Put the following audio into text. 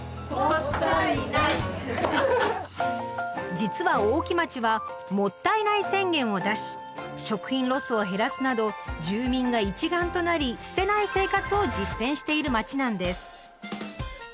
実は大木町は「もったいない宣言」を出し食品ロスを減らすなど住民が一丸となり捨てない生活を実践している町なんです。